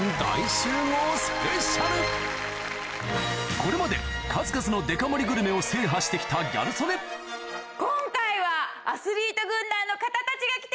これまで数々のデカ盛りグルメを制覇して来たギャル曽根が来てくださいました！